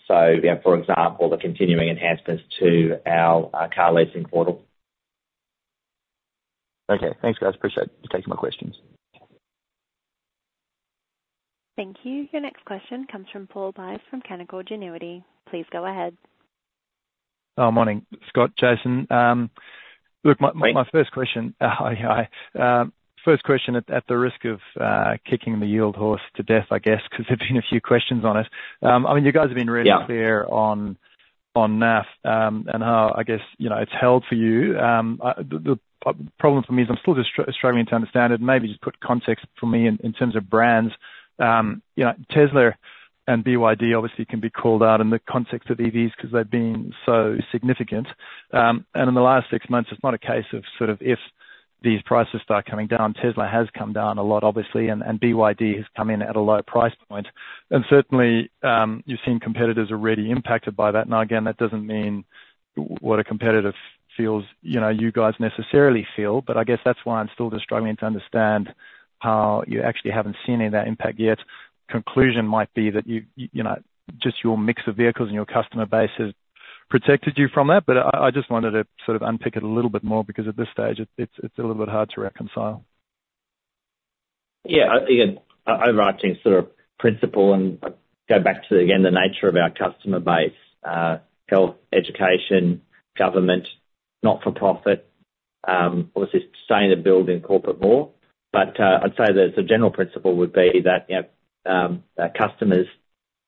so you know, for example, the continuing enhancements to our car leasing portal. Okay. Thanks, guys. Appreciate you taking my questions. Thank you. Your next question comes from Paul Dyer from Canaccord Genuity. Please go ahead. Oh, morning, Scott, Jason. Look, my- Hey. My first question. Hi, hi. First question, at the risk of kicking the dead horse to death, I guess, 'cause there's been a few questions on it. I mean, you guys have been really- Yeah... clear on, on NAF, and how, I guess, you know, it's held for you. The problem for me is I'm still struggling to understand it. Maybe just put context for me in terms of brands. You know, Tesla and BYD obviously can be called out in the context of EVs, because they've been so significant. And in the last six months, it's not a case of sort of if these prices start coming down, Tesla has come down a lot, obviously, and BYD has come in at a lower price point. And certainly, you've seen competitors already impacted by that. Now, again, that doesn't mean what a competitor feels, you know, you guys necessarily feel, but I guess that's why I'm still just struggling to understand how you actually haven't seen any of that impact yet. Conclusion might be that you, you know, just your mix of vehicles and your customer base has protected you from that. But I just wanted to sort of unpick it a little bit more, because at this stage, it's a little bit hard to reconcile. Yeah, again, overarching sort of principle, and I go back to, again, the nature of our customer base, health, education, government, not-for-profit, obviously starting to build in corporate more. But, I'd say that the general principle would be that, you know, our customers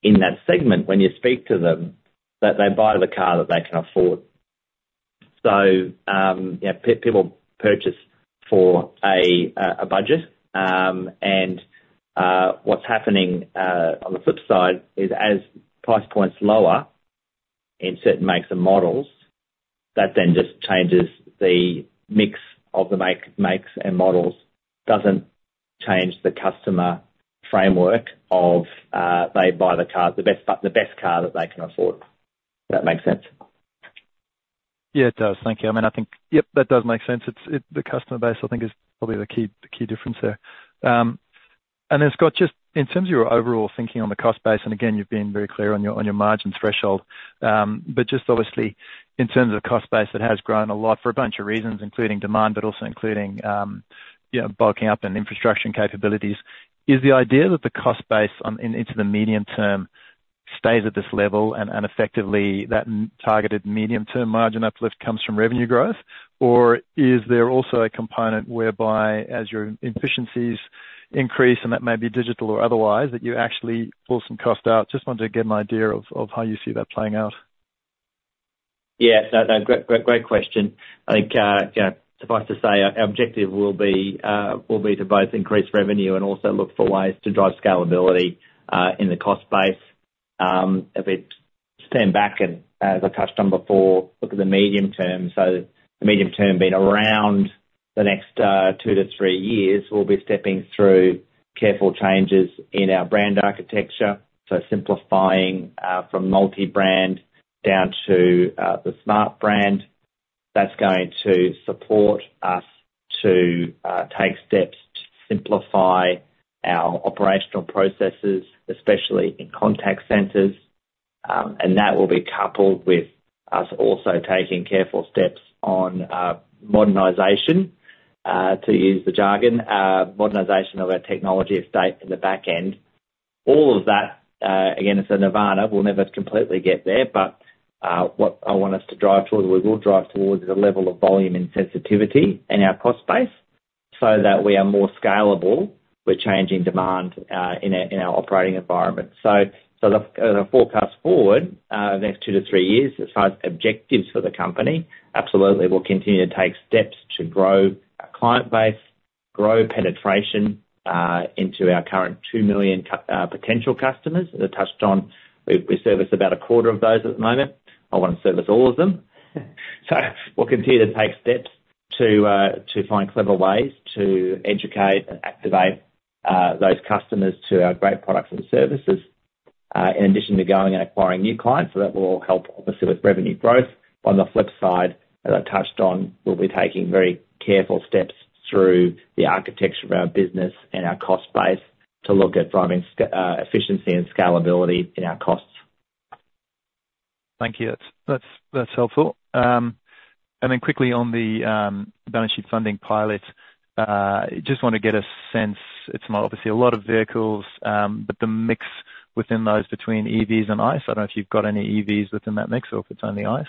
in that segment, when you speak to them, that they buy the car that they can afford. So, you know, people purchase for a, a budget, and, what's happening, on the flip side is, as price points lowering in certain makes and models, that then just changes the mix of the makes and models, doesn't change the customer framework of, they buy the car, the best, but the best car that they can afford. If that makes sense? Yeah, it does. Thank you. I mean, I think, yep, that does make sense. It's the customer base, I think, is probably the key, the key difference there, and then, Scott, just in terms of your overall thinking on the cost base, and again, you've been very clear on your margin threshold, but just obviously in terms of cost base, it has grown a lot for a bunch of reasons, including demand, but also you know, bulking up and infrastructure and capabilities. Is the idea that the cost base into the medium term stays at this level, and effectively that targeted medium-term margin uplift comes from revenue growth? Or is there also a component whereby as your efficiencies increase, and that may be digital or otherwise, that you actually pull some cost out? Just wanted to get an idea of how you see that playing out. Yeah. So, no, great, great, great question. I think, you know, suffice to say, our objective will be to both increase revenue and also look for ways to drive scalability in the cost base. If we stand back and as I touched on before, look at the medium term, so the medium term being around the next two to three years, we'll be stepping through careful changes in our brand architecture. So simplifying from multi-brand down to the Smart brand, that's going to support us to take steps to simplify our operational processes, especially in contact centers. And that will be coupled with us also taking careful steps on modernization to use the jargon, modernization of our technology estate in the back end. All of that, again, it's a nirvana, we'll never completely get there, but, what I want us to drive towards, we will drive towards the level of volume and sensitivity in our cost base so that we are more scalable with changing demand, in our operating environment. So, the forecast forward, the next two to three years, as far as objectives for the company, absolutely, we'll continue to take steps to grow our client base, grow penetration, into our current 2 million potential customers. As I touched on, we service about a quarter of those at the moment. I wanna service all of them. So we'll continue to take steps to find clever ways to educate and activate those customers to our great products and services, in addition to going and acquiring new clients. So that will help facilitate revenue growth. On the flip side, as I touched on, we'll be taking very careful steps through the architecture of our business and our cost base to look at driving efficiency and scalability in our costs. Thank you. That's helpful. And then quickly on the balance sheet funding pilot, just want to get a sense. It's obviously a lot of vehicles, but the mix within those between EVs and ICE. I don't know if you've got any EVs within that mix or if it's only ICE.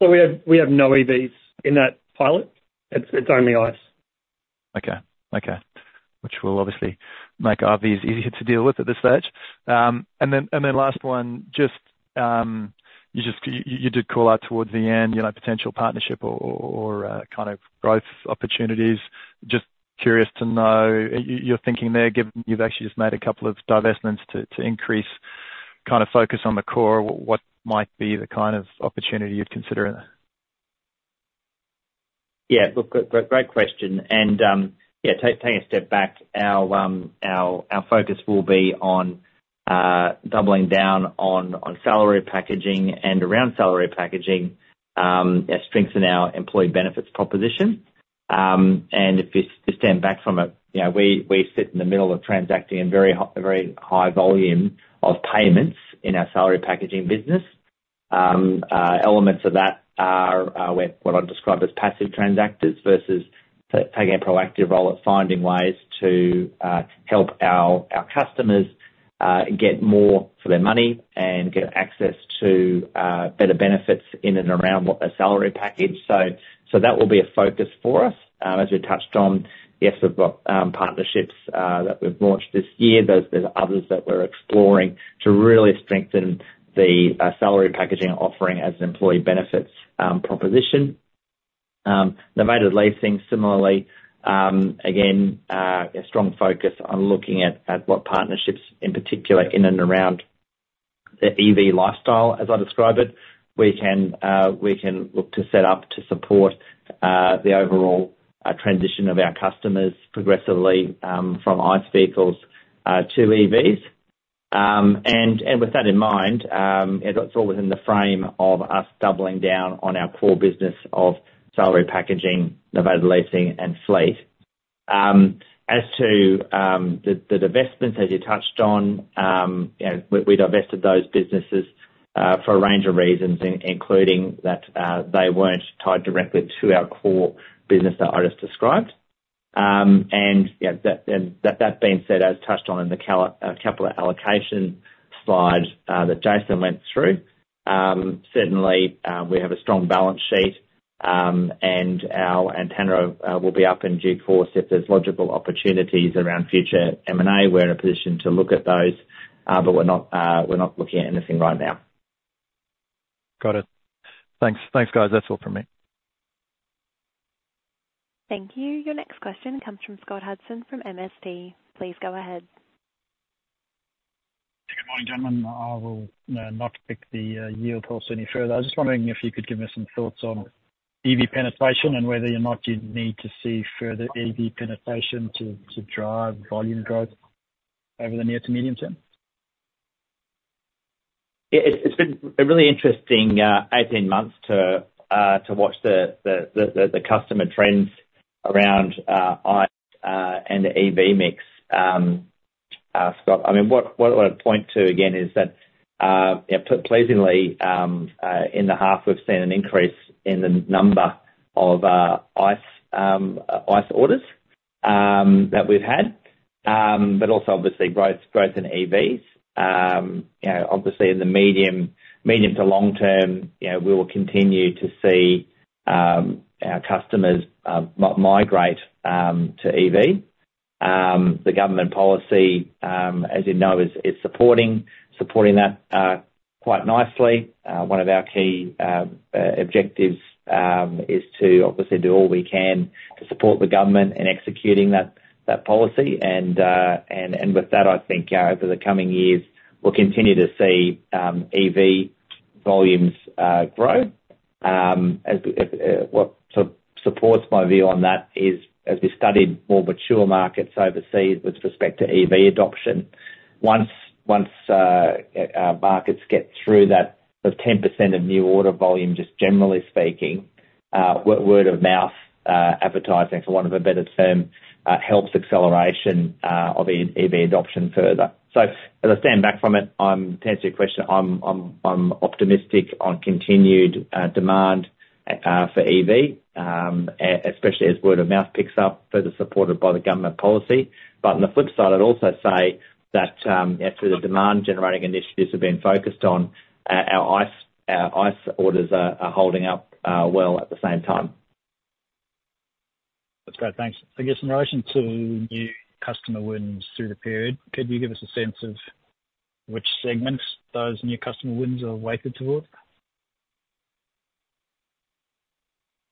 We have no EVs in that pilot. It's only ICE. Okay. Okay. Which will obviously make RVs easier to deal with at this stage. And then last one, just you just did call out towards the end, you know, potential partnership or kind of growth opportunities. Just curious to know your thinking there, given you've actually just made a couple of divestments to increase kind of focus on the core, what might be the kind of opportunity you'd consider there? Yeah. Look, great question, and, yeah, taking a step back, our focus will be on doubling down on salary packaging and around salary packaging, and strengthen our employee benefits proposition. And if you stand back from it, you know, we sit in the middle of transacting a very high volume of payments in our salary packaging business. Elements of that are where what I'd describe as passive transactors versus taking a proactive role at finding ways to help our customers get more for their money and get access to better benefits in and around what their salary package. So that will be a focus for us. As we touched on, yes, we've got partnerships that we've launched this year. There are others that we're exploring to really strengthen the salary packaging offering as an employee benefits proposition. Novated leasing similarly, again, a strong focus on looking at what partnerships, in particular, in and around the EV lifestyle, as I describe it. We can look to set up to support the overall transition of our customers progressively from ICE vehicles to EVs. And with that in mind, it's all within the frame of us doubling down on our core business of salary packaging, novated leasing, and fleet. As to the divestment, as you touched on, you know, we divested those businesses for a range of reasons, including that they weren't tied directly to our core business that I just described. Yeah, that being said, as touched on in the capital allocation slide that Jason went through, certainly, we have a strong balance sheet, and our Anthenra will be up in due course if there's logical opportunities around future M&A. We're in a position to look at those, but we're not looking at anything right now. Got it. Thanks. Thanks, guys. That's all from me. Thank you. Your next question comes from Scott Hudson from MST. Please go ahead. Good morning, gentlemen. I will not pick the yield curve any further. I was just wondering if you could give me some thoughts on EV penetration and whether or not you'd need to see further EV penetration to drive volume growth over the near to medium term. Yeah, it's been a really interesting eighteen months to watch the customer trends around ICE and the EV mix. Scott, I mean, what I wanna point to again is that, yeah, pleasingly, in the half, we've seen an increase in the number of ICE orders that we've had, but also obviously growth in EVs. You know, obviously, in the medium to long term, you know, we will continue to see our customers migrate to EV. The government policy, as you know, is supporting that quite nicely. One of our key objectives is to obviously do all we can to support the government in executing that policy. With that, I think over the coming years, we'll continue to see EV volumes grow. As what sort of supports my view on that is, as we studied more mature markets overseas with respect to EV adoption, once markets get through that, the 10% of new order volume, just generally speaking, word of mouth advertising, for want of a better term, helps acceleration of EV adoption further. So, as I stand back from it, I'm to answer your question, I'm optimistic on continued demand for EV, especially as word of mouth picks up, further supported by the government policy. But on the flip side, I'd also say that as the demand generating initiatives have been focused on, our ICE orders are holding up well at the same time. That's great. Thanks. I guess in relation to new customer wins through the period, could you give us a sense of which segments those new customer wins are weighted toward?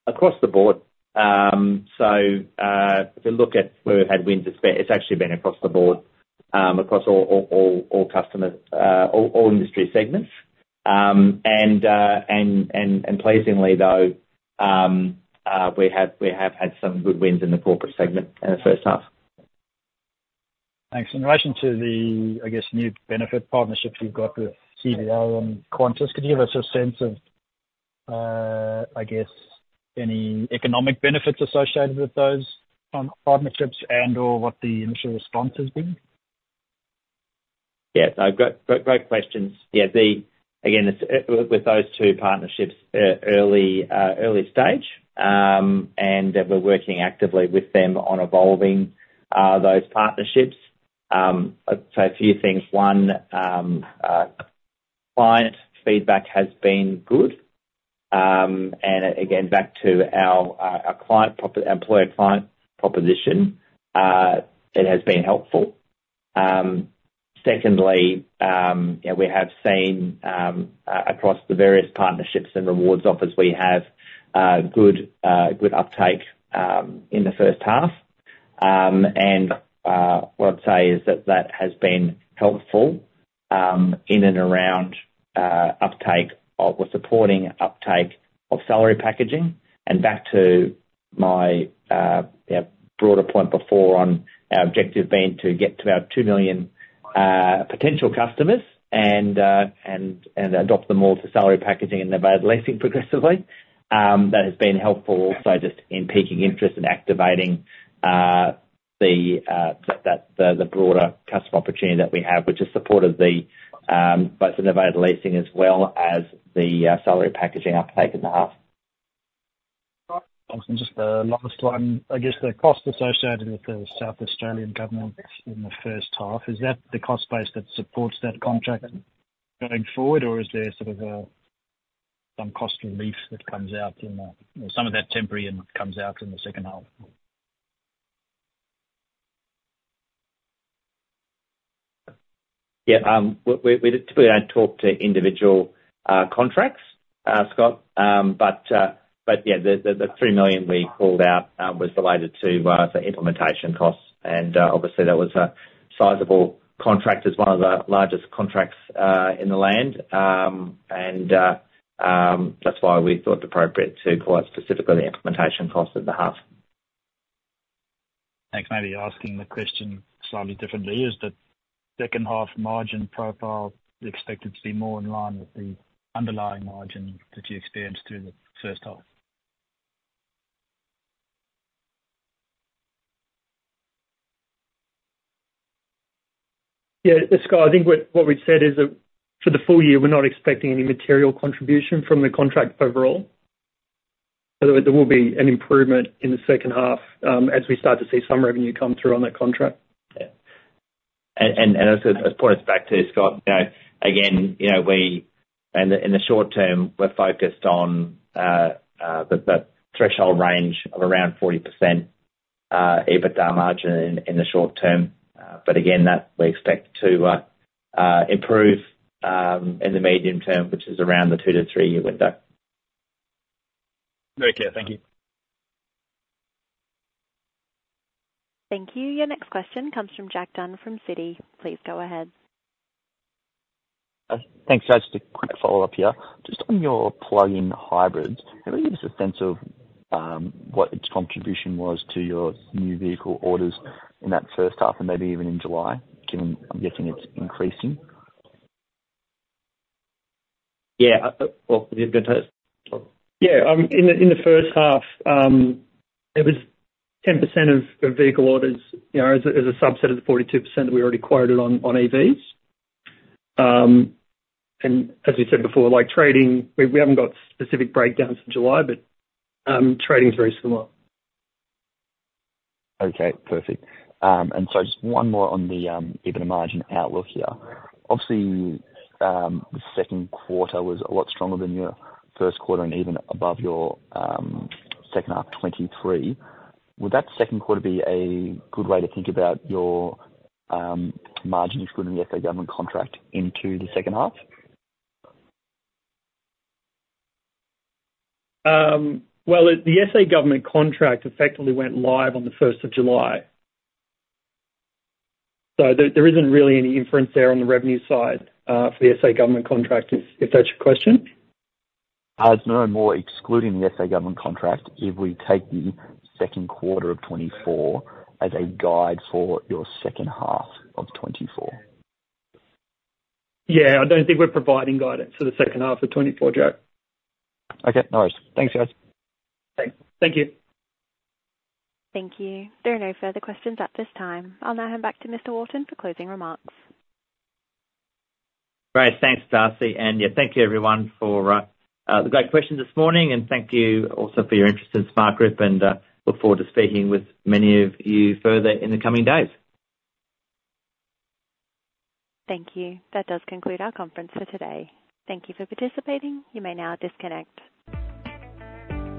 Across the board. So, if you look at where we've had wins, it's been. It's actually been across the board, across all customers, all industry segments, and pleasingly, though, we have had some good wins in the corporate segment in the first half. Thanks. In relation to the, I guess, new benefit partnerships you've got with CBA and Qantas, could you give us a sense of, I guess, any economic benefits associated with those partnerships and/or what the initial response has been? Yeah. Great, great, great questions. Yeah, again, with those two partnerships, early stage, and we're working actively with them on evolving those partnerships. So a few things. One, client feedback has been good, and again, back to our client proposition, employee to client proposition, it has been helpful. Secondly, you know, we have seen across the various partnerships and rewards offers, we have good uptake in the first half. And what I'd say is that that has been helpful in and around uptake of... We're supporting uptake of salary packaging. And back to my, you know, broader point before on our objective being to get to about two million potential customers and adopt them all to salary packaging and novated leasing progressively, that has been helpful also just in piquing interest and activating the broader customer opportunity that we have, which is support of both the novated leasing as well as the salary packaging uptake in the half. Just the last one. I guess the cost associated with the South Australian Government in the first half, is that the cost base that supports that contract going forward? Or is there sort of some cost relief that comes out in the, some of that temporary and comes out in the second half? Yeah, we typically don't talk to individual contracts, Scott, but yeah, the 3 million we called out was related to the implementation costs, and obviously, that was a sizable contract. It's one of the largest contracts in the land, and that's why we thought it appropriate to call out specifically the implementation cost of the half. Thanks. Maybe asking the question slightly differently, is the second half margin profile expected to be more in line with the underlying margin that you experienced through the first half? Yeah, Scott, I think what we've said is that for the full year, we're not expecting any material contribution from the contract overall. So there will be an improvement in the second half, as we start to see some revenue come through on that contract. I suppose back to you, Scott, you know, again, you know, in the short term, we're focused on the threshold range of around 40% EBITDA margin in the short term. But again, that we expect to improve in the medium term, which is around the two to three-year window. Very clear. Thank you. Thank you. Your next question comes from Jack Dunn from Citi. Please go ahead. Thanks, guys. Just a quick follow-up here. Just on your plug-in hybrids, can you give us a sense of what its contribution was to your new vehicle orders in that first half and maybe even in July, given I'm guessing it's increasing? Yeah, well, you're going to- Yeah, in the first half, it was 10% of the vehicle orders, you know, as a subset of the 42% that we already quoted on EVs, and as we said before, like, trading, we haven't got specific breakdowns for July, but trading is very similar. Okay, perfect. And so just one more on the EBITDA margin outlook here. Obviously, the second quarter was a lot stronger than your first quarter and even above your second half 2023. Would that second quarter be a good way to think about your margin, excluding the SA Government contract into the second half? The SA Government contract effectively went live on the July 1st. So there isn't really any inference there on the revenue side for the SA Government contract, if that's your question. It's no more excluding the SA Government contract, if we take the second quarter of 2024 as a guide for your second half of 2024. Yeah, I don't think we're providing guidance for the second half of 2024, Jack. Okay, no worries. Thanks, guys. Thanks. Thank you. Thank you. There are no further questions at this time. I'll now hand back to Mr. Wharton for closing remarks. Great. Thanks, Darcy, and, yeah, thank you, everyone, for the great questions this morning. And thank you also for your interest in Smartgroup, and look forward to speaking with many of you further in the coming days. Thank you. That does conclude our conference for today. Thank you for participating. You may now disconnect.